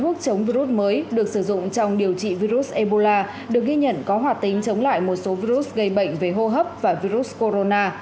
thuốc chống virus mới được sử dụng trong điều trị virus ebola được ghi nhận có hoạt tính chống lại một số virus gây bệnh về hô hấp và virus corona